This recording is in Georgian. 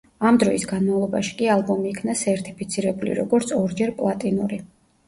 ამ დროის განმავლობაში კი ალბომი იქნა სერთიფიცირებული, როგორც ორჯერ პლატინური.